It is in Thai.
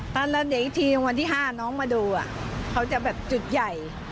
ตอนวันสี่ร้านสองน้องมันมาดูเขาจะแบบจุดใหญ่